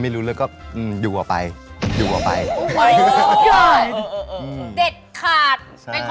ไม่เอาอยากใส่อยากถอดอยากถอด